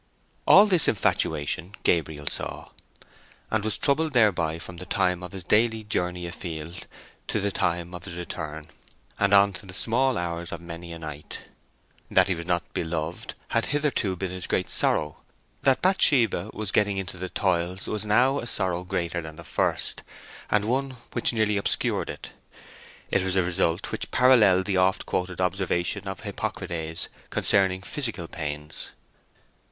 All this infatuation Gabriel saw, and was troubled thereby from the time of his daily journey a field to the time of his return, and on to the small hours of many a night. That he was not beloved had hitherto been his great sorrow; that Bathsheba was getting into the toils was now a sorrow greater than the first, and one which nearly obscured it. It was a result which paralleled the oft quoted observation of Hippocrates concerning physical pains.